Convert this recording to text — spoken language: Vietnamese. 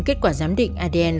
kết quả giám định adn